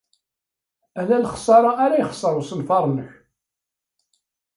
Ala lexṣara ara yexṣer usenfar-nnek.